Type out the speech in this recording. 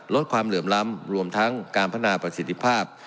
ลดความเหลื่อมล้ำรวมทั้งการพัฒนาประสิทธิภาพ